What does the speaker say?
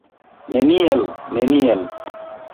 Neniel, neniel!